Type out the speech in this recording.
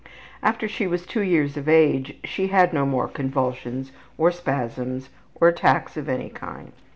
After she was 2 years of age she had no more convulsions, or spasms, or attacks of any kind.